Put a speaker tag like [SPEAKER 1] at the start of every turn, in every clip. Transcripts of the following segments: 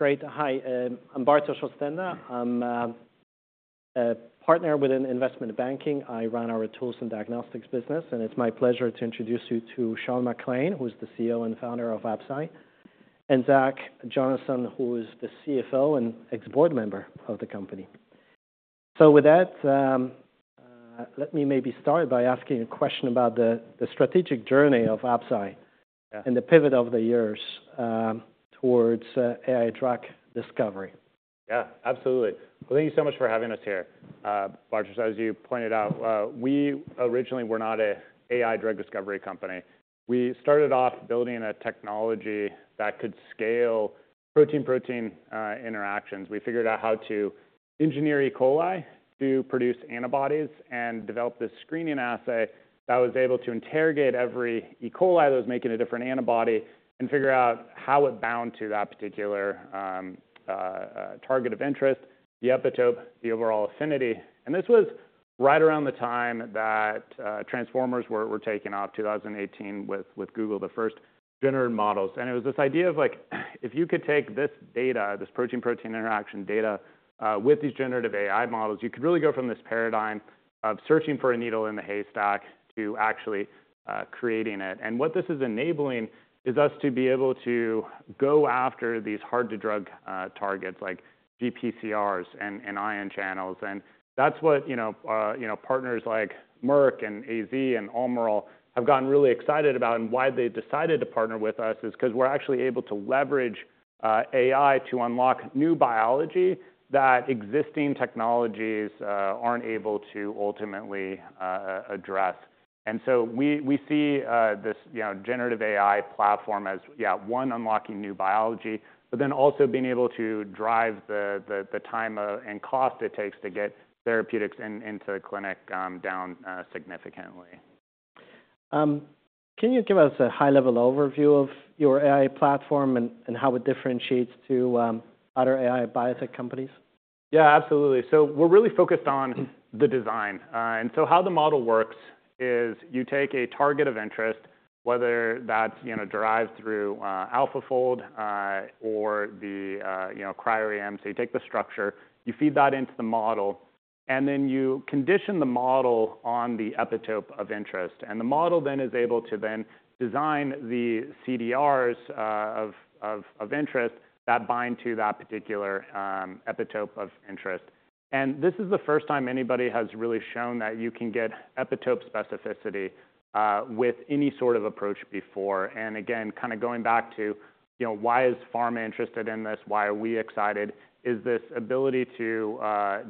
[SPEAKER 1] Great. We're gonna start. Okay, great. Well, great. Hi, I'm Bartosz Ostenda. I'm a partner within investment banking. I run our tools and diagnostics business, and it's my pleasure to introduce you to Sean McClain, who is the CEO and founder of Absci, and Zach Jonasson, who is the CFO and ex-board member of the company. So with that, let me maybe start by asking a question about the strategic journey of Absci.
[SPEAKER 2] Yeah
[SPEAKER 1] And the pivot over the years towards AI drug discovery.
[SPEAKER 2] Yeah, absolutely. Well, thank you so much for having us here. Bartosz, as you pointed out, we originally were not a AI drug discovery company. We started off building a technology that could scale protein-protein interactions. We figured out how to engineer E. coli to produce antibodies and develop this screening assay that was able to interrogate every E. coli that was making a different antibody and figure out how it bound to that particular target of interest, the epitope, the overall affinity. And this was right around the time that transformers were taking off, 2018, with Google, the first generative models. And it was this idea of, like, if you could take this data, this protein-protein interaction data, with these generative AI models, you could really go from this paradigm of searching for a needle in the haystack to actually creating it. And what this is enabling is us to be able to go after these hard to drug targets like GPCRs and ion channels. And that's what, you know, you know, partners like Merck and AZ and Almirall have gotten really excited about and why they decided to partner with us, is 'cause we're actually able to leverage AI to unlock new biology that existing technologies aren't able to ultimately address. We see this, you know, generative AI platform as, yeah, one unlocking new biology, but then also being able to drive the time and cost it takes to get therapeutics into the clinic down significantly.
[SPEAKER 1] Can you give us a high-level overview of your AI platform and how it differentiates to other AI biotech companies?
[SPEAKER 2] Yeah, absolutely. So we're really focused on the design. And so how the model works is you take a target of interest, whether that's, you know, derived through AlphaFold, or the, you know, Cryo-EM. So you take the structure, you feed that into the model, and then you condition the model on the epitope of interest. And the model then is able to then design the CDRs of interest that bind to that particular epitope of interest. And this is the first time anybody has really shown that you can get epitope specificity with any sort of approach before. And again, kind of going back to, you know, why is pharma interested in this? Why are we excited? Is this ability to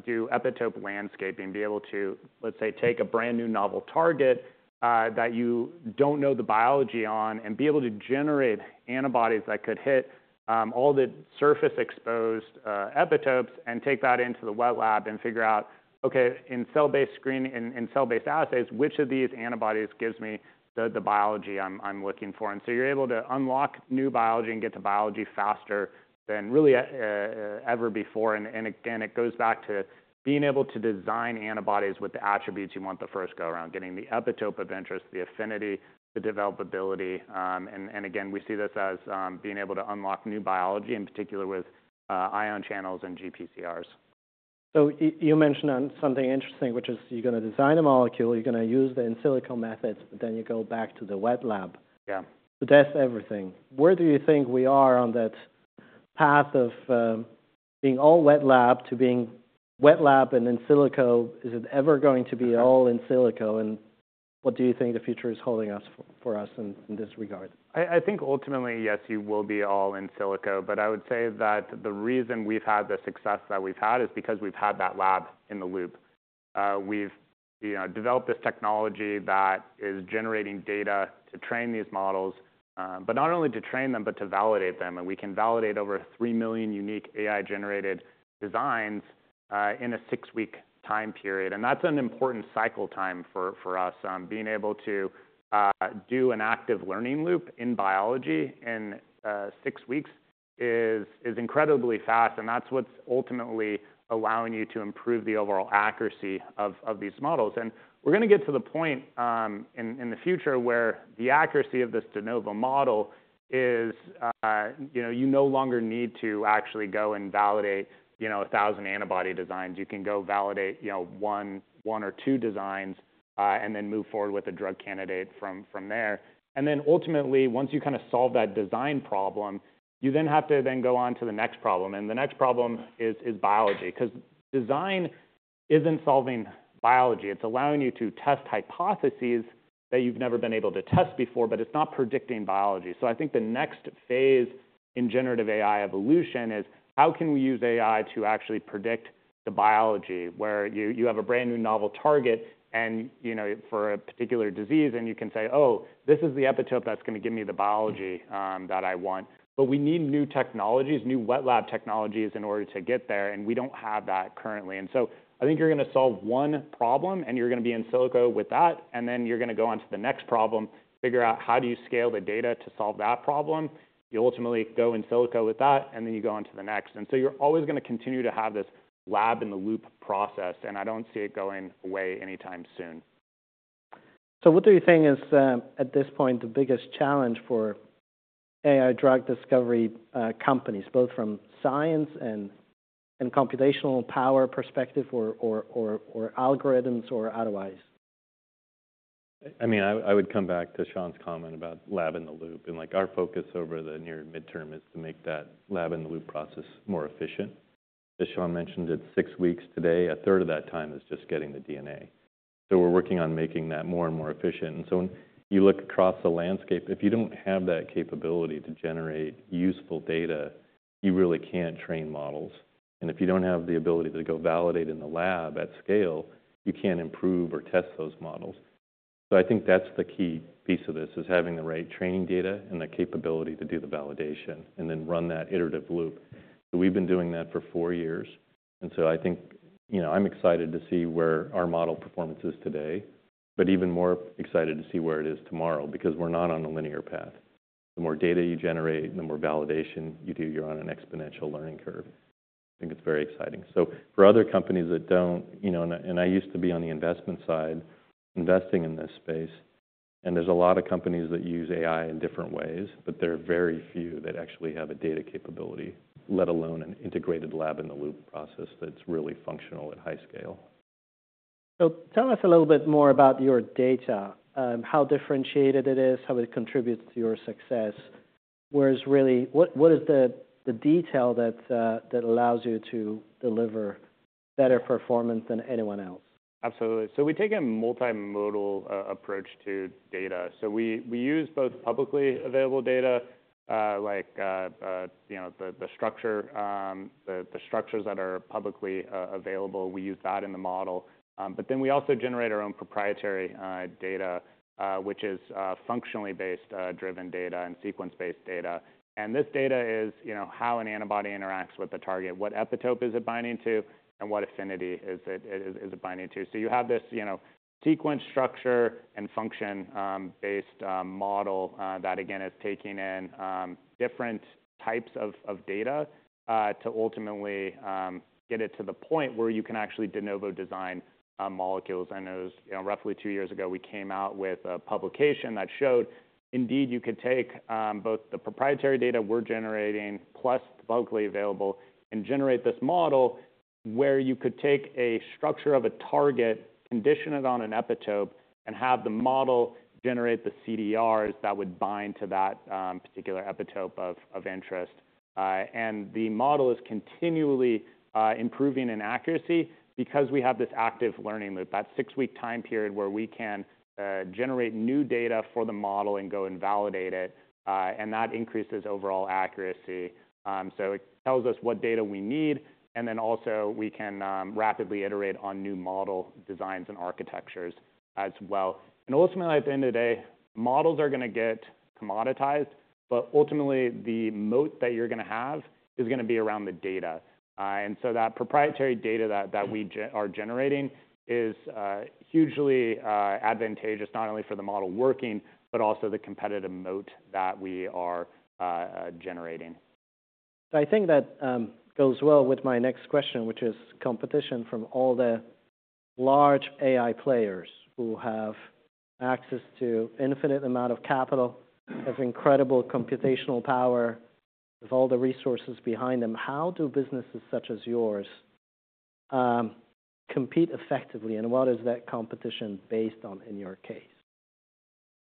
[SPEAKER 2] do epitope landscaping, be able to, let's say, take a brand-new novel target that you don't know the biology on, and be able to generate antibodies that could hit all the surface-exposed epitopes and take that into the wet lab and figure out, okay, in cell-based screening, in cell-based assays, which of these antibodies gives me the biology I'm looking for? And so you're able to unlock new biology and get to biology faster than really ever before. And again, it goes back to being able to design antibodies with the attributes you want the first go-around, getting the epitope of interest, the affinity, the developability. And again, we see this as being able to unlock new biology, in particular with ion channels and GPCRs.
[SPEAKER 1] You mentioned something interesting, which is you're gonna design a molecule, you're gonna use the in silico methods, but then you go back to the wet lab.
[SPEAKER 2] Yeah.
[SPEAKER 1] That's everything. Where do you think we are on that path of being all wet lab to being wet lab and in silico? Is it ever going to be all in silico, and what do you think the future is holding for us in this regard?
[SPEAKER 2] I think ultimately, yes, you will be all in silico, but I would say that the reason we've had the success that we've had is because we've had that lab in the loop. We've, you know, developed this technology that is generating data to train these models, but not only to train them, but to validate them. And we can validate over 3 million unique AI-generated designs in a six-week time period, and that's an important cycle time for us. Being able to do an active learning loop in biology in six weeks is incredibly fast, and that's what's ultimately allowing you to improve the overall accuracy of these models. And we're gonna get to the point, in the future, where the accuracy of this de novo model is, you know, you no longer need to actually go and validate, you know, 1,000 antibody designs. You can go validate, you know, one or two designs, and then move forward with a drug candidate from there. And then ultimately, once you kind of solve that design problem, you have to go on to the next problem, and the next problem is biology, 'cause design isn't solving biology. It's allowing you to test hypotheses that you've never been able to test before, but it's not predicting biology. So I think the next phase in generative AI evolution is: how can we use AI to actually predict the biology, where you, you have a brand-new novel target and, you know, for a particular disease, and you can say, "Oh, this is the epitope that's gonna give me the biology, that I want"? But we need new technologies, new wet lab technologies, in order to get there, and we don't have that currently. And so I think you're gonna solve one problem, and you're gonna be in silico with that, and then you're gonna go on to the next problem, figure out how do you scale the data to solve that problem. You'll ultimately go in silico with that, and then you go on to the next. You're always gonna continue to have this lab in the loop process, and I don't see it going away anytime soon....
[SPEAKER 1] So what do you think is, at this point, the biggest challenge for AI drug discovery companies, both from science and computational power perspective or algorithms or otherwise?
[SPEAKER 3] I mean, I would come back to Sean's comment about lab in the loop, and, like, our focus over the near midterm is to make that lab in the loop process more efficient. As Sean mentioned, it's six weeks today, a third of that time is just getting the DNA. So we're working on making that more and more efficient. And so when you look across the landscape, if you don't have that capability to generate useful data, you really can't train models. And if you don't have the ability to go validate in the lab at scale, you can't improve or test those models. So I think that's the key piece of this, is having the right training data and the capability to do the validation and then run that iterative loop. So we've been doing that for four years, and so I think, you know, I'm excited to see where our model performance is today, but even more excited to see where it is tomorrow, because we're not on a linear path. The more data you generate, the more validation you do, you're on an exponential learning curve. I think it's very exciting. So for other companies that don't, you know, and I used to be on the investment side, investing in this space, and there's a lot of companies that use AI in different ways, but there are very few that actually have a data capability, let alone an integrated lab in the loop process that's really functional at high scale.
[SPEAKER 1] So tell us a little bit more about your data, how differentiated it is, how it contributes to your success. What is the detail that allows you to deliver better performance than anyone else?
[SPEAKER 2] Absolutely. So we take a multimodal approach to data. So we use both publicly available data, like, you know, the structures that are publicly available, we use that in the model. But then we also generate our own proprietary data, which is functionally based driven data and sequence-based data. And this data is, you know, how an antibody interacts with the target, what epitope is it binding to, and what affinity is it binding to. So you have this, you know, sequence, structure, and function based model that again is taking in different types of data to ultimately get it to the point where you can actually de novo design molecules. I know, you know, roughly two years ago, we came out with a publication that showed indeed you could take both the proprietary data we're generating plus the publicly available, and generate this model where you could take a structure of a target, condition it on an epitope, and have the model generate the CDRs that would bind to that particular epitope of interest. And the model is continually improving in accuracy because we have this active learning loop, that six-week time period where we can generate new data for the model and go and validate it, and that increases overall accuracy. So it tells us what data we need, and then also we can rapidly iterate on new model designs and architectures as well. Ultimately, at the end of the day, models are gonna get commoditized, but ultimately, the moat that you're gonna have is gonna be around the data. And so that proprietary data that we are generating is hugely advantageous, not only for the model working, but also the competitive moat that we are generating.
[SPEAKER 1] I think that goes well with my next question, which is competition from all the large AI players who have access to infinite amount of capital, have incredible computational power, with all the resources behind them. How do businesses such as yours compete effectively, and what is that competition based on in your case?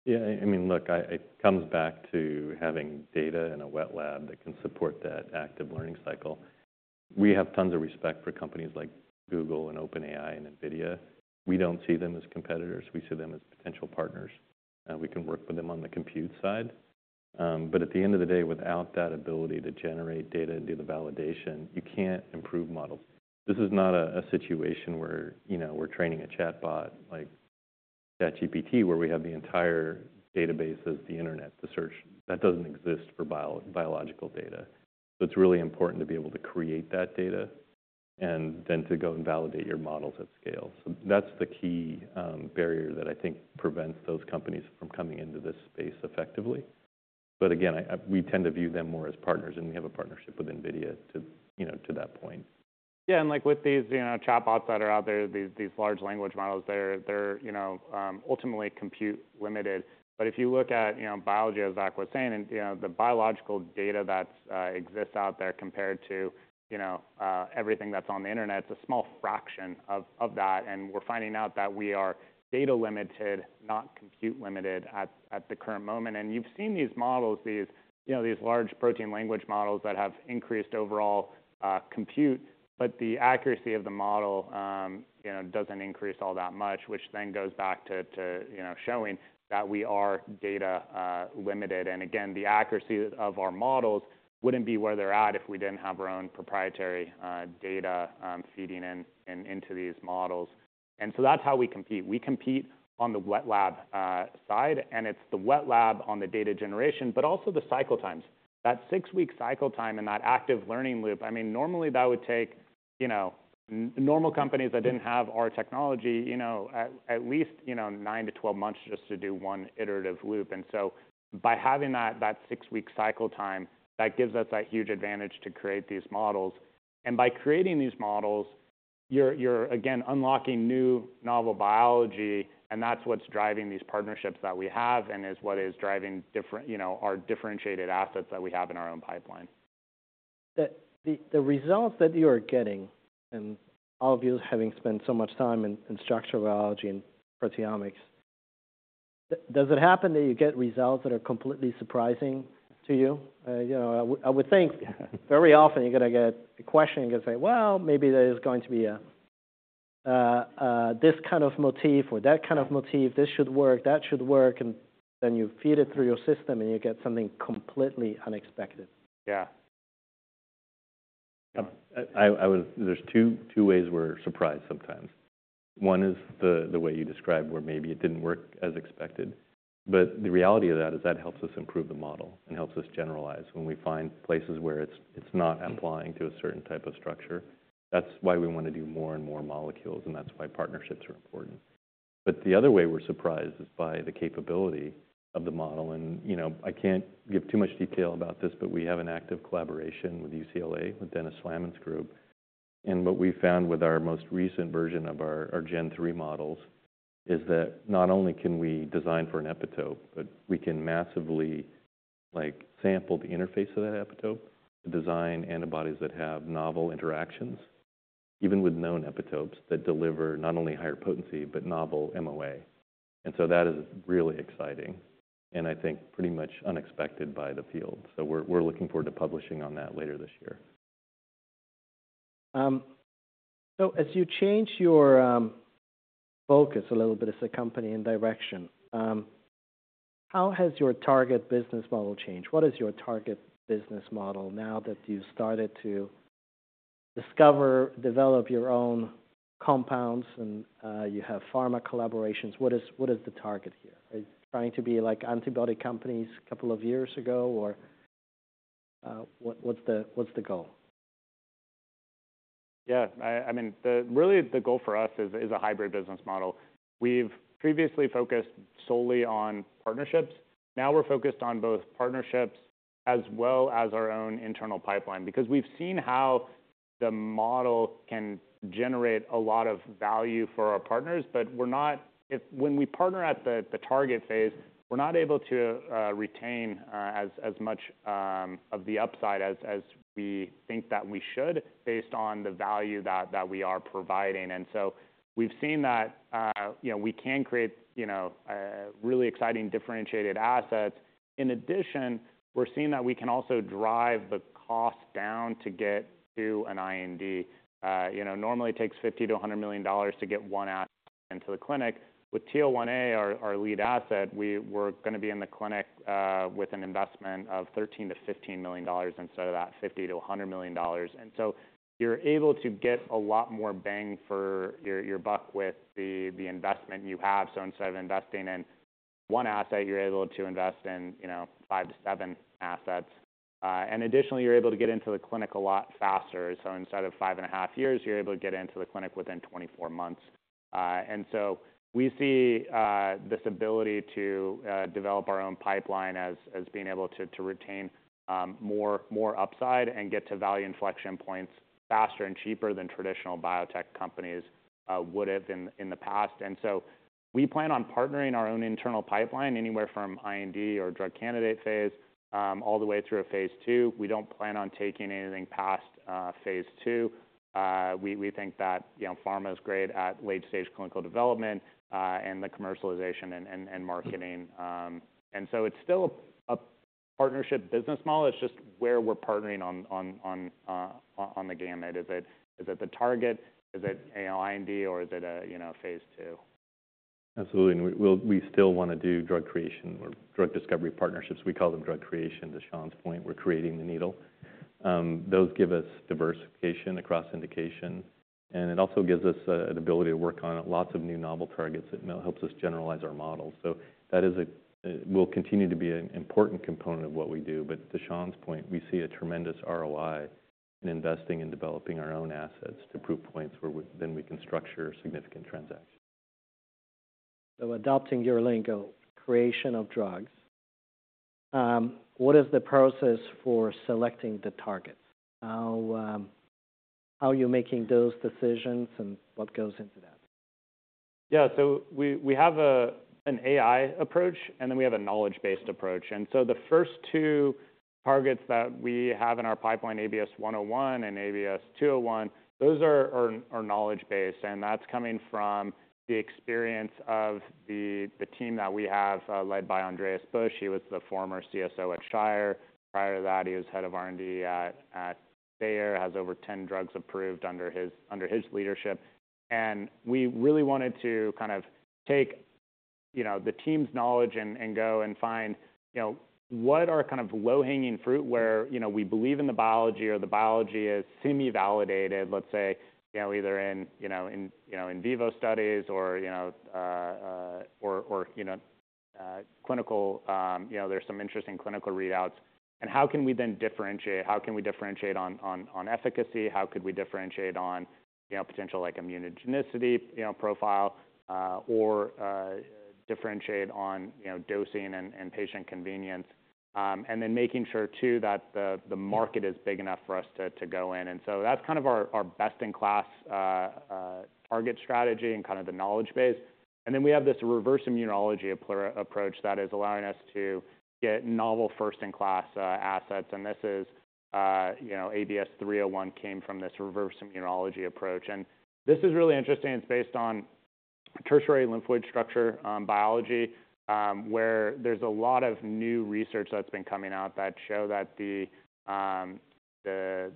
[SPEAKER 3] Yeah, I mean, look, it comes back to having data in a wet lab that can support that active learning cycle. We have tons of respect for companies like Google and OpenAI and NVIDIA. We don't see them as competitors, we see them as potential partners, we can work with them on the compute side. But at the end of the day, without that ability to generate data and do the validation, you can't improve models. This is not a situation where, you know, we're training a chatbot like ChatGPT, where we have the entire database as the Internet, the search. That doesn't exist for biological data. So it's really important to be able to create that data and then to go and validate your models at scale. So that's the key barrier that I think prevents those companies from coming into this space effectively. But again, I, we tend to view them more as partners, and we have a partnership with NVIDIA to, you know, to that point.
[SPEAKER 2] Yeah, and like with these, you know, chatbots that are out there, these large language models, they're, you know, ultimately compute limited. But if you look at, you know, biology, as Zach was saying, and, you know, the biological data that's exists out there compared to, you know, everything that's on the Internet, it's a small fraction of that, and we're finding out that we are data limited, not compute limited at the current moment. And you've seen these models, these, you know, these large protein language models that have increased overall compute, but the accuracy of the model, you know, doesn't increase all that much, which then goes back to, you know, showing that we are data limited. Again, the accuracy of our models wouldn't be where they're at if we didn't have our own proprietary data feeding into these models. So that's how we compete. We compete on the wet lab side, and it's the wet lab on the data generation, but also the cycle times. That 6-week cycle time and that active learning loop, I mean, normally that would take, you know, normal companies that didn't have our technology, you know, at least, you know, nine-12 months just to do one iterative loop. So by having that six-week cycle time, that gives us a huge advantage to create these models... By creating these models, you're again unlocking new novel biology, and that's what's driving these partnerships that we have, and is what is driving different, you know, our differentiated assets that we have in our own pipeline.
[SPEAKER 1] The results that you are getting, and all of you having spent so much time in structural biology and proteomics, does it happen that you get results that are completely surprising to you? You know, I would think very often you're gonna get a question, you're gonna say, "Well, maybe there is going to be a this kind of motif or that kind of motif. This should work, that should work," and then you feed it through your system, and you get something completely unexpected.
[SPEAKER 2] Yeah.
[SPEAKER 3] I would... There's two ways we're surprised sometimes. One is the way you described, where maybe it didn't work as expected. But the reality of that is that helps us improve the model and helps us generalize when we find places where it's not applying to a certain type of structure. That's why we want to do more and more molecules, and that's why partnerships are important. But the other way we're surprised is by the capability of the model, and, you know, I can't give too much detail about this, but we have an active collaboration with UCLA, with Dennis Slamon's group. What we found with our most recent version of our Gen three models is that not only can we design for an epitope, but we can massively, like, sample the interface of that epitope to design antibodies that have novel interactions, even with known epitopes that deliver not only higher potency, but novel MOA. So that is really exciting, and I think pretty much unexpected by the field. So we're looking forward to publishing on that later this year.
[SPEAKER 1] So as you change your focus a little bit as a company and direction, how has your target business model changed? What is your target business model now that you've started to discover, develop your own compounds and you have pharma collaborations? What is, what is the target here? Are you trying to be like antibody companies a couple of years ago, or what, what's the goal?
[SPEAKER 2] Yeah, I mean, really, the goal for us is a hybrid business model. We've previously focused solely on partnerships. Now we're focused on both partnerships as well as our own internal pipeline, because we've seen how the model can generate a lot of value for our partners, but we're not—if when we partner at the target phase, we're not able to retain as much of the upside as we think that we should, based on the value that we are providing. And so we've seen that, you know, we can create, you know, really exciting differentiated assets. In addition, we're seeing that we can also drive the cost down to get to an IND. You know, normally it takes $50-100 million to get one asset into the clinic. With TL1A, our lead asset, we're gonna be in the clinic with an investment of $13-15 million, instead of that $50-100 million. And so you're able to get a lot more bang for your buck with the investment you have. So instead of investing in one asset, you're able to invest in you know five to seven assets. And additionally, you're able to get into the clinic a lot faster. So instead of 5.5 years, you're able to get into the clinic within 24 months. And so we see this ability to develop our own pipeline as being able to retain more upside and get to value inflection points faster and cheaper than traditional biotech companies would have in the past. And so we plan on partnering our own internal pipeline, anywhere from IND or drug candidate phase, all the way through a phase two. We don't plan on taking anything past phase two. We think that, you know, pharma is great at late-stage clinical development, and the commercialization and marketing. And so it's still a partnership business model, it's just where we're partnering on the gamut. Is it the target? Is it AI IND, or is it a, you know, phase two?
[SPEAKER 3] Absolutely, and we'll still wanna do drug creation or drug discovery partnerships. We call them drug creation, to Sean's point, we're creating the needle. Those give us diversification across indication, and it also gives us an ability to work on lots of new novel targets. It now helps us generalize our models. So that is a will continue to be an important component of what we do. But to Sean's point, we see a tremendous ROI in investing in developing our own assets to prove points where then we can structure significant transactions.
[SPEAKER 1] So adopting your lingo, creation of drugs, what is the process for selecting the targets? How, how are you making those decisions, and what goes into that?
[SPEAKER 2] Yeah. So we have an AI approach, and then we have a knowledge-based approach. And so the first two targets that we have in our pipeline, ABS-101 and ABS-201, those are knowledge-based, and that's coming from the experience of the team that we have, led by Andreas Busch. He was the former CSO at Shire. Prior to that, he was head of R&D at Bayer, has over 10 drugs approved under his leadership. And we really wanted to kind of take, you know, the team's knowledge and go and find, you know, what are kind of low-hanging fruit where, you know, we believe in the biology or the biology is semi-validated, let's say, you know, either in in vivo studies or... you know, there's some interesting clinical readouts, and how can we then differentiate? How can we differentiate on efficacy? How could we differentiate on, you know, potential, like immunogenicity, you know, profile, or differentiate on, you know, dosing and patient convenience? And then making sure too that the market is big enough for us to go in. And so that's kind of our best-in-class target strategy and kind of the knowledge base. And then we have this reverse immunology approach that is allowing us to get novel first-in-class assets. And this is, you know, ABS-301 came from this reverse immunology approach, and this is really interesting. It's based on tertiary lymphoid structure biology, where there's a lot of new research that's been coming out that show that the the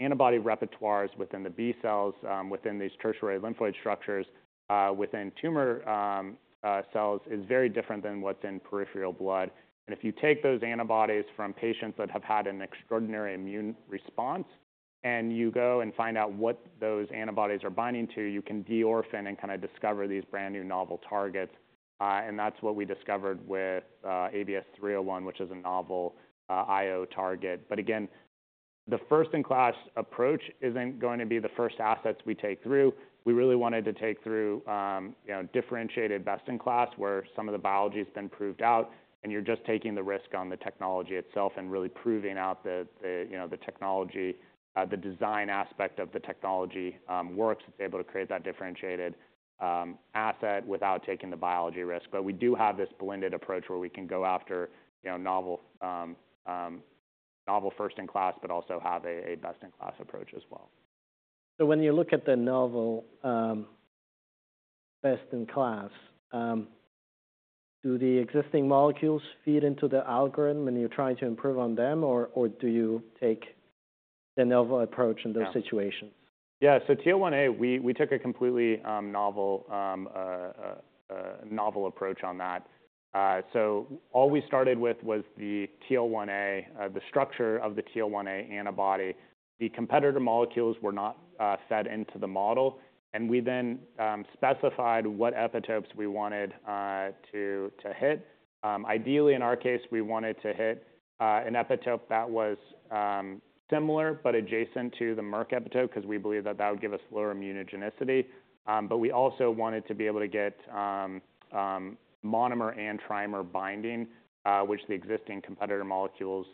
[SPEAKER 2] antibody repertoires within the B cells within these tertiary lymphoid structures within tumor cells, is very different than what's in peripheral blood. And if you take those antibodies from patients that have had an extraordinary immune response, and you go and find out what those antibodies are binding to, you can de-orphan and kinda discover these brand-new novel targets. And that's what we discovered with ABS-301, which is a novel IO target. But again, the first-in-class approach isn't going to be the first assets we take through. We really wanted to take through, you know, differentiated best-in-class, where some of the biology has been proved out, and you're just taking the risk on the technology itself and really proving out, you know, the technology, the design aspect of the technology, works. It's able to create that differentiated asset without taking the biology risk. But we do have this blended approach where we can go after, you know, novel first-in-class, but also have a best-in-class approach as well.
[SPEAKER 1] When you look at the novel, best-in-class, do the existing molecules feed into the algorithm when you're trying to improve on them, or, or do you take the novel approach in those situations?
[SPEAKER 2] Yeah. So TL1A, we took a completely novel approach on that. So all we started with was the TL1A, the structure of the TL1A antibody. The competitor molecules were not fed into the model, and we then specified what epitopes we wanted to hit. Ideally, in our case, we wanted to hit an epitope that was similar but adjacent to the Merck epitope, 'cause we believe that that would give us lower immunogenicity. But we also wanted to be able to get monomer and trimer binding, which the existing competitor molecules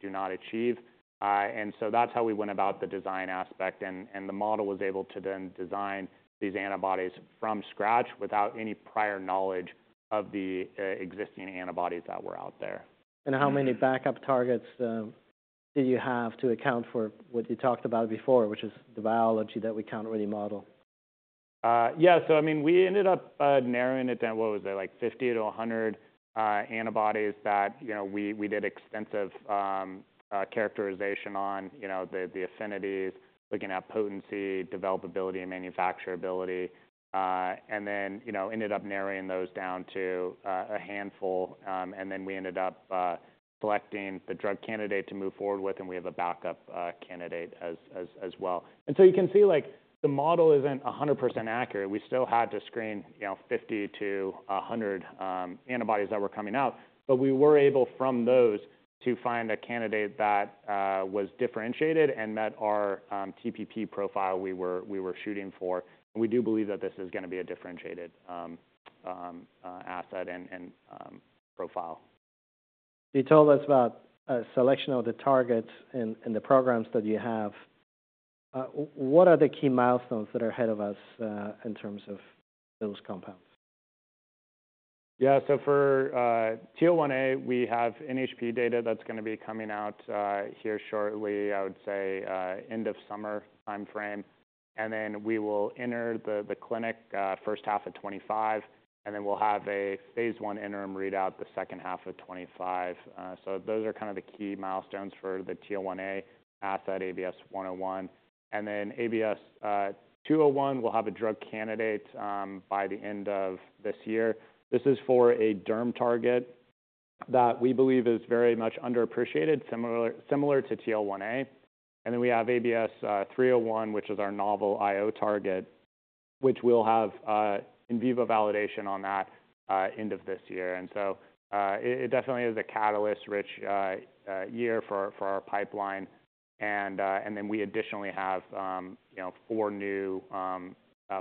[SPEAKER 2] do not achieve. And so that's how we went about the design aspect, and the model was able to then design these antibodies from scratch without any prior knowledge of the existing antibodies that were out there.
[SPEAKER 1] How many backup targets do you have to account for what you talked about before, which is the biology that we can't really model?
[SPEAKER 2] Yeah. So I mean, we ended up narrowing it down, what was it? Like, 50-100 antibodies that, you know, we did extensive characterization on, you know, the affinities, looking at potency, developability, and manufacturability. And then, you know, ended up narrowing those down to a handful, and then we ended up selecting the drug candidate to move forward with, and we have a backup candidate as well. And so you can see, like, the model isn't 100% accurate. We still had to screen, you know, 50-100 antibodies that were coming out. But we were able, from those, to find a candidate that was differentiated and met our TPP profile we were shooting for. We do believe that this is gonna be a differentiated, asset and profile.
[SPEAKER 1] You told us about a selection of the targets and the programs that you have. What are the key milestones that are ahead of us, in terms of those compounds?
[SPEAKER 2] Yeah. So for TL1A, we have NHP data that's gonna be coming out here shortly, I would say end of summer timeframe, and then we will enter the clinic first half of 2025, and then we'll have a phase I interim readout the second half of 2025. So those are kind of the key milestones for the TL1A asset, ABS-101. And then ABS-201 will have a drug candidate by the end of this year. This is for a derm target that we believe is very much underappreciated, similar to TL1A. And then we have ABS-301, which is our novel IO target, which we'll have in vivo validation on that end of this year. And so it definitely is a catalyst-rich year for our pipeline. And then we additionally have, you know, four new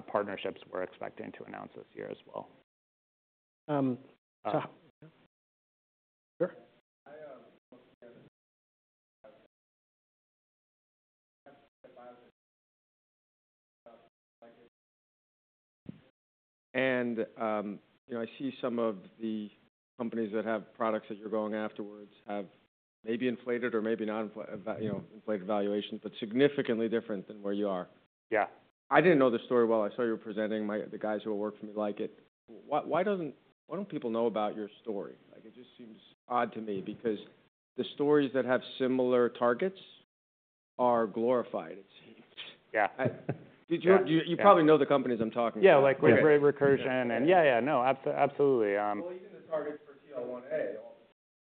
[SPEAKER 2] partnerships we're expecting to announce this year as well.
[SPEAKER 1] Sure. You know, I see some of the companies that have products that you're going after have maybe inflated or maybe not inflated valuations, but significantly different than where you are.
[SPEAKER 2] Yeah.
[SPEAKER 1] I didn't know the story well. I saw you were presenting. The guys who work for me like it. Why don't people know about your story? Like, it just seems odd to me because the stories that have similar targets are glorified.
[SPEAKER 2] Yeah.
[SPEAKER 1] Did you-
[SPEAKER 2] Yeah.
[SPEAKER 1] You probably know the companies I'm talking about.
[SPEAKER 2] Yeah, like Recursion and... Yeah, yeah. No, absolutely.
[SPEAKER 4] Well, even the targets for TL1A.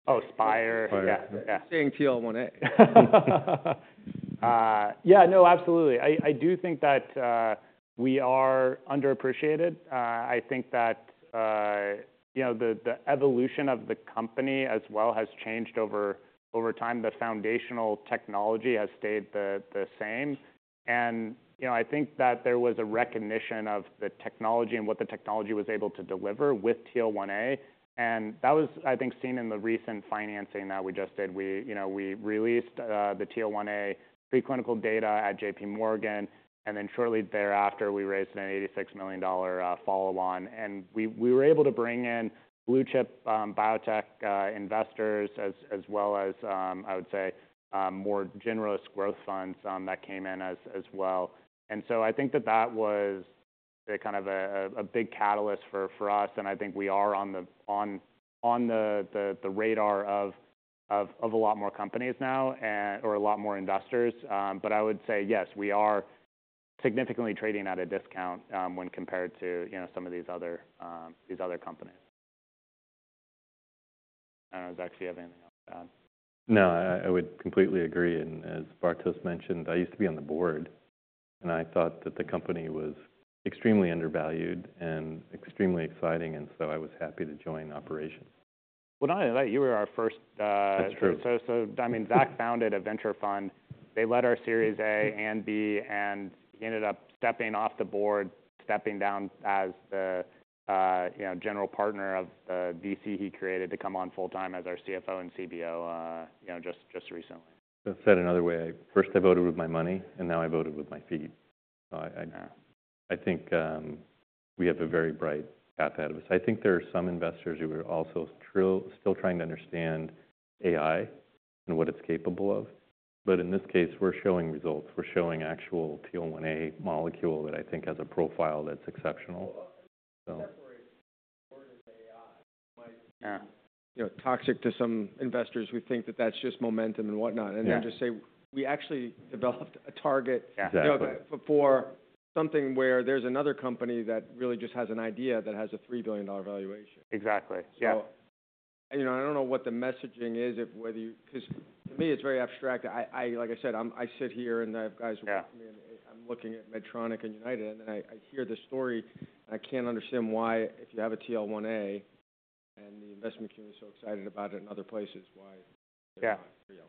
[SPEAKER 2] Oh, Spyre. Yeah. Yeah.
[SPEAKER 1] Saying TL1A.
[SPEAKER 2] ...Yeah, no, absolutely. I do think that we are underappreciated. I think that you know, the evolution of the company as well has changed over time. The foundational technology has stayed the same. And you know, I think that there was a recognition of the technology and what the technology was able to deliver with TL1A, and that was, I think, seen in the recent financing that we just did. We you know, we released the TL1A preclinical data at J.P. Morgan, and then shortly thereafter, we raised an $86 million follow-on, and we were able to bring in blue-chip biotech investors as well as I would say more generous growth funds that came in as well. And so I think that was a kind of a big catalyst for us, and I think we are on the radar of a lot more companies now and, or a lot more investors. But I would say, yes, we are significantly trading at a discount when compared to, you know, some of these other companies. I don't know, Zach, do you have anything else to add?
[SPEAKER 3] No, I would completely agree, and as Bartosz mentioned, I used to be on the board, and I thought that the company was extremely undervalued and extremely exciting, and so I was happy to join operations.
[SPEAKER 2] Well, not only that, you were our first,
[SPEAKER 3] That's true.
[SPEAKER 2] So, I mean, Zach founded a venture fund. They led our Series A and B, and he ended up stepping off the board, stepping down as the, you know, general partner of the VC he created to come on full-time as our CFO and CBO, you know, just recently.
[SPEAKER 3] Said another way, first I voted with my money, and now I voted with my feet.
[SPEAKER 2] Yeah...
[SPEAKER 3] I think, we have a very bright path ahead of us. I think there are some investors who are also still trying to understand AI and what it's capable of, but in this case, we're showing results. We're showing actual TL1A molecule that I think has a profile that's exceptional, so.
[SPEAKER 1] Yeah. That word AI might-
[SPEAKER 2] Yeah
[SPEAKER 1] You know, toxic to some investors who think that that's just momentum and whatnot.
[SPEAKER 3] Yeah.
[SPEAKER 1] And then just say, "We actually developed a target-
[SPEAKER 3] Exactly.
[SPEAKER 1] - for something where there's another company that really just has an idea that has a $3 billion valuation.
[SPEAKER 2] Exactly. Yeah.
[SPEAKER 1] So, you know, I don't know what the messaging is if whether you... 'cause to me, it's very abstract. Like I said, I sit here, and I have guys-
[SPEAKER 2] Yeah
[SPEAKER 1] Working me, and I'm looking at Medtronic and United, and then I hear the story, and I can't understand why, if you have a TL1A and the investment community is so excited about it in other places, why?
[SPEAKER 2] Yeah
[SPEAKER 1] you know.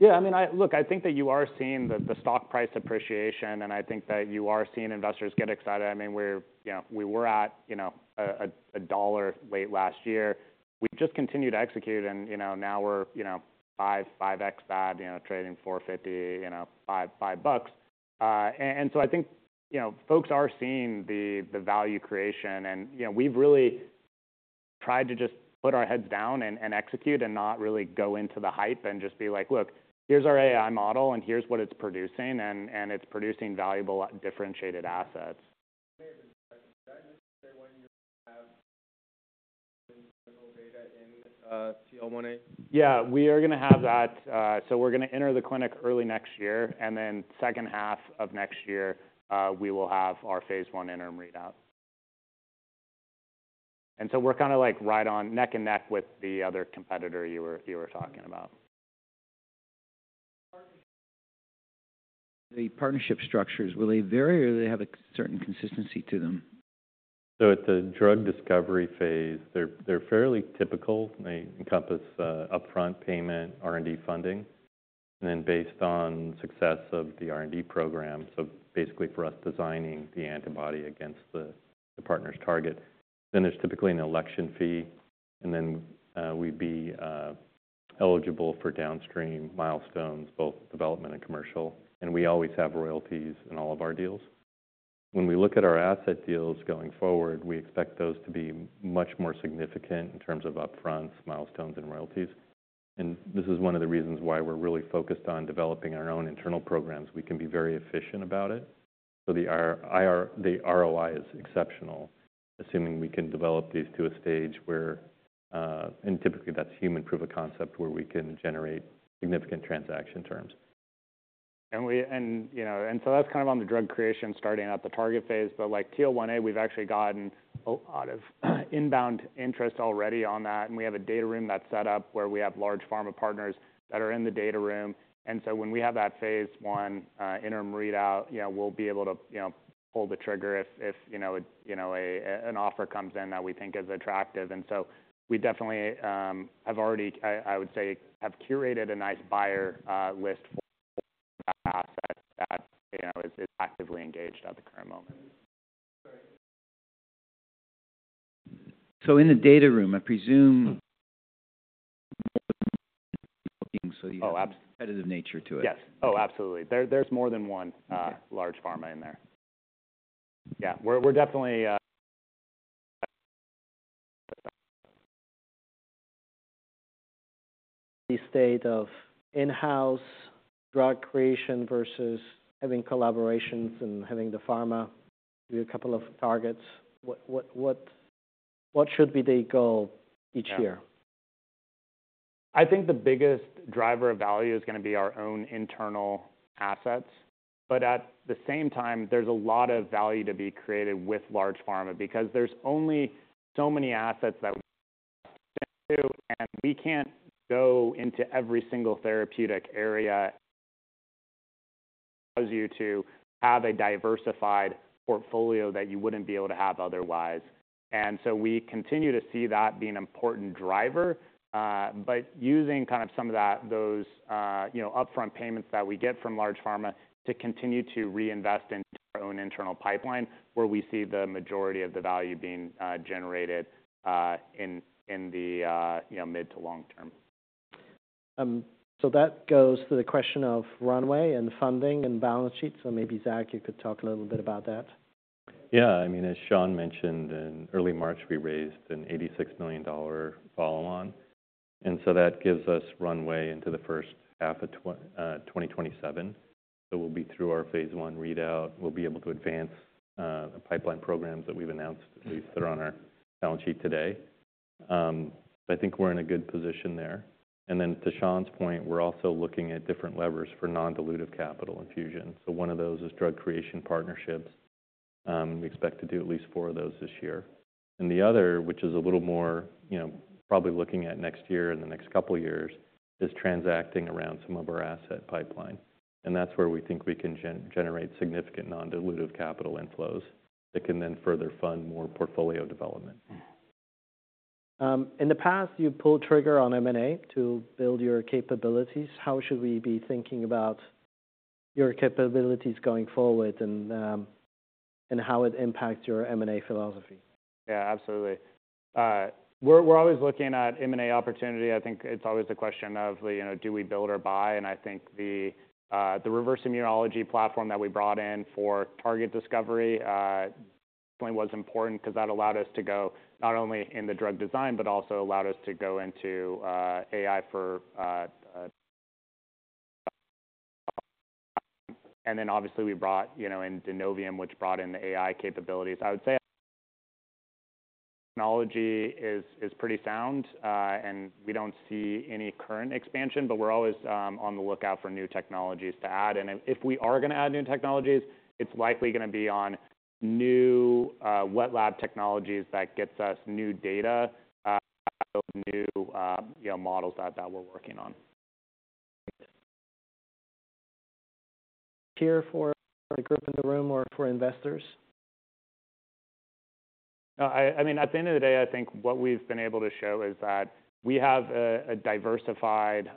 [SPEAKER 2] Yeah, I mean, Look, I think that you are seeing the stock price appreciation, and I think that you are seeing investors get excited. I mean, we're, you know, we were at, you know, a dollar late last year. We've just continued to execute and, you know, now we're, you know, 5x back, you know, trading $4.50, you know, $5.50 bucks. And so I think, you know, folks are seeing the value creation and, you know, we've really tried to just put our heads down and execute and not really go into the hype and just be like: Look, here's our AI model, and here's what it's producing, and it's producing valuable differentiated assets.
[SPEAKER 4] When you have data in TL1A?
[SPEAKER 2] Yeah, we are gonna have that. So we're gonna enter the clinic early next year, and then second half of next year, we will have our phase one interim readout. And so we're kinda like right on, neck and neck with the other competitor you were talking about.
[SPEAKER 1] The partnership structures, will they vary, or do they have a certain consistency to them?
[SPEAKER 3] So at the drug discovery phase, they're fairly typical. They encompass upfront payment, R&D funding, and then based on success of the R&D program, so basically for us, designing the antibody against the partner's target. Then there's typically an election fee, and then we'd be eligible for downstream milestones, both development and commercial, and we always have royalties in all of our deals. When we look at our asset deals going forward, we expect those to be much more significant in terms of upfront, milestones, and royalties. And this is one of the reasons why we're really focused on developing our own internal programs. We can be very efficient about it, so the ROI is exceptional, assuming we can develop these to a stage where and typically, that's human proof of concept, where we can generate significant transaction terms.
[SPEAKER 2] You know, and so that's kind of on the drug creation, starting at the target phase. But like TL1A, we've actually gotten a lot of inbound interest already on that, and we have a data room that's set up where we have large pharma partners that are in the data room. And so when we have that phase 1 interim readout, you know, we'll be able to, you know, pull the trigger if an offer comes in that we think is attractive. And so we definitely have already, I would say, have curated a nice buyer list for that asset that, you know, is actively engaged at the current moment.
[SPEAKER 1] In the data room, I presume-
[SPEAKER 3] Oh, absolutely.
[SPEAKER 1] Competitive nature to it.
[SPEAKER 2] Yes. Oh, absolutely. There, there's more than one.
[SPEAKER 1] Okay...
[SPEAKER 2] large pharma in there. Yeah, we're definitely,
[SPEAKER 1] The state of in-house drug creation versus having collaborations and having the pharma do a couple of targets. What should be the goal each year?
[SPEAKER 2] I think the biggest driver of value is gonna be our own internal assets, but at the same time, there's a lot of value to be created with large pharma because there's only so many assets that we have two, and we can't go into every single therapeutic area, allows you to have a diversified portfolio that you wouldn't be able to have otherwise. And so we continue to see that being an important driver, but using kind of some of that, those, you know, upfront payments that we get from large pharma to continue to reinvest into our own internal pipeline, where we see the majority of the value being generated, in the, you know, mid to long term.
[SPEAKER 1] So that goes to the question of runway and funding and balance sheet. So maybe, Zach, you could talk a little bit about that.
[SPEAKER 3] Yeah, I mean, as Sean mentioned, in early March, we raised an $86 million follow-on, and so that gives us runway into the first half of 2027. So we'll be through our phase 1 readout. We'll be able to advance the pipeline programs that we've announced, at least that are on our balance sheet today. I think we're in a good position there. And then to Sean's point, we're also looking at different levers for non-dilutive capital infusion. So one of those is drug creation partnerships. We expect to do at least four of those this year. And the other, which is a little more, you know, probably looking at next year and the next couple of years, is transacting around some of our asset pipeline. That's where we think we can generate significant non-dilutive capital inflows that can then further fund more portfolio development.
[SPEAKER 1] In the past, you pulled trigger on M&A to build your capabilities. How should we be thinking about your capabilities going forward and, and how it impacts your M&A philosophy?
[SPEAKER 2] Yeah, absolutely. We're always looking at M&A opportunity. I think it's always a question of, you know, do we build or buy? And I think the reverse immunology platform that we brought in for target discovery definitely was important because that allowed us to go not only in the drug design, but also allowed us to go into AI for... And then obviously, we brought, you know, in Denovium, which brought in the AI capabilities. I would say technology is pretty sound, and we don't see any current expansion, but we're always on the lookout for new technologies to add. And if we are gonna add new technologies, it's likely gonna be on new wet lab technologies that gets us new data, new, you know, models that we're working on.
[SPEAKER 1] Here for the group in the room or for investors?
[SPEAKER 2] No, I mean, at the end of the day, I think what we've been able to show is that we have a diversified,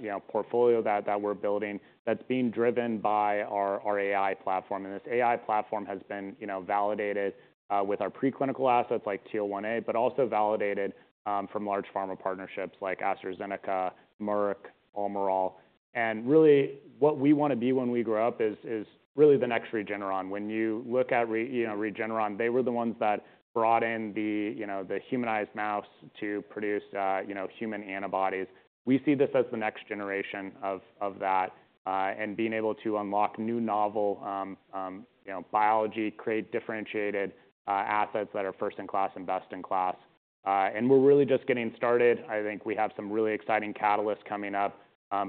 [SPEAKER 2] you know, portfolio that we're building that's being driven by our AI platform. And this AI platform has been, you know, validated with our preclinical assets like TL1A, but also validated from large pharma partnerships like AstraZeneca, Merck, Almirall. And really, what we want to be when we grow up is really the next Regeneron. When you look at, you know, Regeneron, they were the ones that brought in the, you know, the humanized mouse to produce, you know, human antibodies. We see this as the next generation of that and being able to unlock new novel, you know, biology, create differentiated assets that are first in class and best in class. We're really just getting started. I think we have some really exciting catalysts coming up,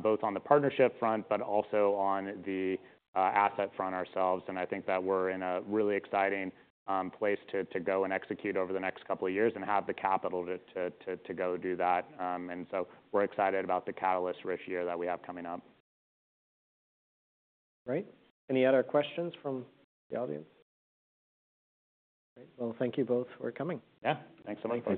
[SPEAKER 2] both on the partnership front, but also on the asset front ourselves. I think that we're in a really exciting place to go and execute over the next couple of years and have the capital to go do that. We're excited about the catalyst this year that we have coming up.
[SPEAKER 1] Great. Any other questions from the audience? Great. Well, thank you both for coming.
[SPEAKER 2] Yeah, thanks so much.
[SPEAKER 3] Thank you.